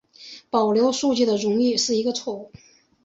保留数据的容量是一个错误。